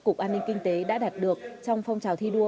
cục an ninh kinh tế đã đạt được trong phong trào thi đua